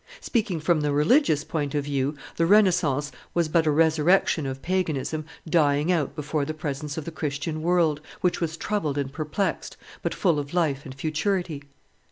Speaking from the religious point of view, the Renaissance was but a resurrection of paganism dying out before the presence of the Christian world, which was troubled and perplexed, but full of life and futurity.